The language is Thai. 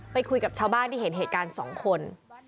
คุยกับชาวบ้านที่เห็นเหตุการณ์๒คน